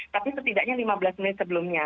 tapi setidaknya lima belas menit sebelumnya